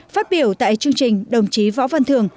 phát biểu tại chương trình đồng chí võ văn thường